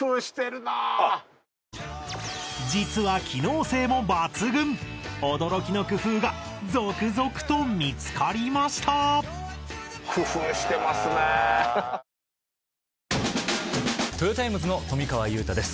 実は驚きの工夫が続々と見つかりましたトヨタイムズの富川悠太です